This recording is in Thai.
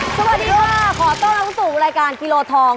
สวัสดีค่ะขอต้อนรับสู่รายการกิโลทอง